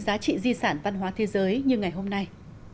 giá trị di sản văn hóa thế giới như ngày hôm nay